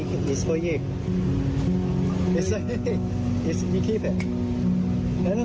กุ้มเปล่า